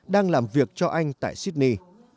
đang làm việc cho anh tại sydney